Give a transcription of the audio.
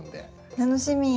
楽しみ！